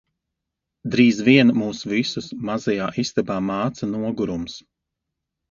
Drīz vien mūs visus mazajā istabā māca nogurums.